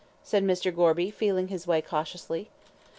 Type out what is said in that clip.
said Mr. Gorby, feeling his way cautiously.